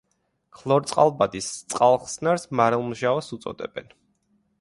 ქლორწყალბადის წყალხსნარს მარილმჟავას უწოდებენ.